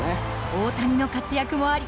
大谷の活躍もあり